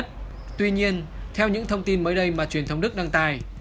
tuy nhiên theo những thông tin mới đây mà truyền thông đức đăng tài